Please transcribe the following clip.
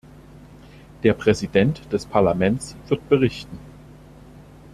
Der Präsident des Parlaments wird berichten.